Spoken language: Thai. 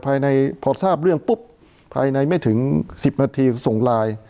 ภายในพอทราบเรื่องปุ๊บภายในไม่ถึง๑๐นาทีส่งไลน์